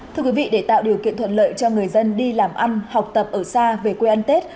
thưa quý vị để tạo điều kiện thuận lợi cho người dân đi làm ăn học tập ở xa về quê ăn tết